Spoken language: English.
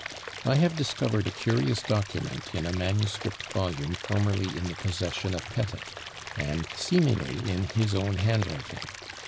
I have discovered a curious document in a manuscript volume formerly in the possession of Petyt, and seemingly in his own handwriting.